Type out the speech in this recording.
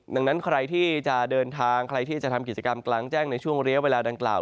ดังนั้นใครที่จะเดินทางใครที่จะทำกิจกรรมกลางแจ้งในช่วงเรียกเวลาดังกล่าว